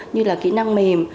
như là kỹ năng mềm